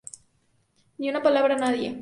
Ni una palabra a nadie.